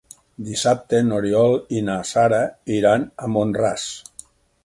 Dissabte n'Oriol i na Sara iran a Mont-ras.